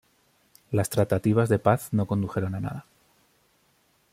Las tratativas de paz no condujeron a nada.